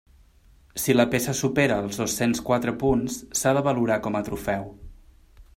Si la peça supera els dos-cents quatre punts, s'ha de valorar com a trofeu.